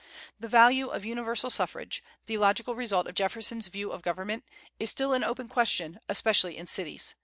The value of universal suffrage the logical result of Jefferson's views of government is still an open question, especially in cities.